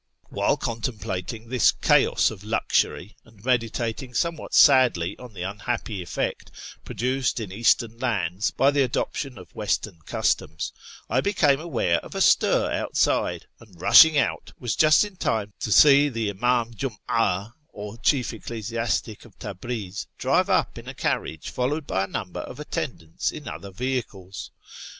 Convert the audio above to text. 8o A YEAR AMONGST THE PERSIANS While coutemplating this chaos of luxury, and meditating somewhat sadly ou the unhappy cftect produced in Eastern lauds by the adoption of Western customs, I became aware of a stir outside, and, rushing out, was just in time to see the Imihn Junia, or chief ecclesiastic, of Tabriz drive up in a carriage followed by a number of attendants in other vehicles.